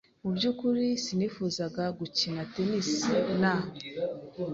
Mu byukuri sinifuzaga gukina tennis na .